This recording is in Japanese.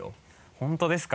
本当ですか？